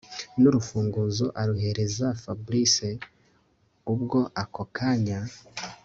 nurufunguzo aruhereza Fabric ubwo ako kanya